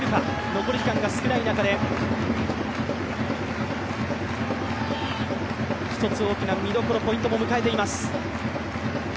残り時間が少ない中で、一つ大きなポイントも迎えています。